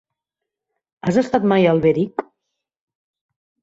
Has estat mai a Alberic?